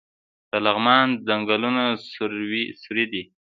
د لغمان ځنګلونه سروې دي